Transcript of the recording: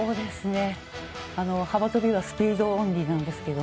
幅跳びはスピードオンリーなんですけど。